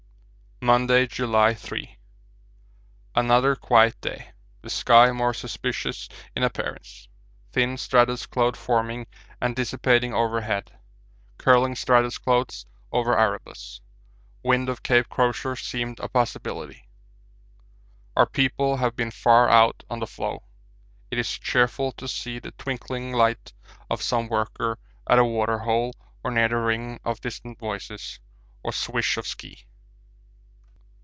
Monday, July 3. Another quiet day, the sky more suspicious in appearance. Thin stratus cloud forming and dissipating overhead, curling stratus clouds over Erebus. Wind at Cape Crozier seemed a possibility. Our people have been far out on the floe. It is cheerful to see the twinkling light of some worker at a water hole or hear the ring of distant voices or swish of ski.